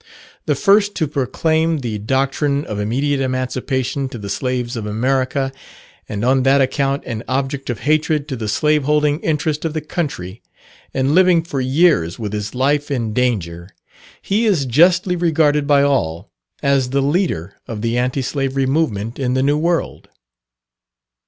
The first to proclaim the doctrine of immediate emancipation to the slaves of America, and on that account an object of hatred to the slave holding interest of the country, and living for years with his life in danger, he is justly regarded by all, as the leader of the Anti Slavery movement in the New World.